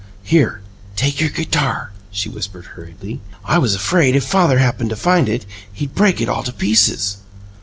"Here, take your guitar," she whispered hurriedly. "I was afraid if father happened to find it he'd break it all to pieces!"